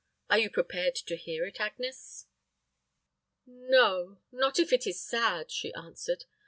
Are you prepared to hear it, Agnes?" "No not if it is sad," she answered.